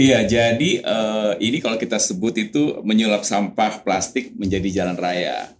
iya jadi ini kalau kita sebut itu menyulap sampah plastik menjadi jalan raya